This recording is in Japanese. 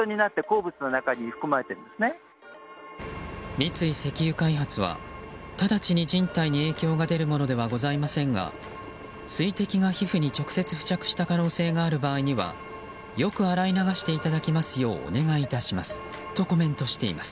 三井石油開発は直ちに人体に影響が出るものではございませんが水滴が皮膚に直接付着した可能性がある場合にはよく洗い流していただきますようお願いいたしますとコメントしています。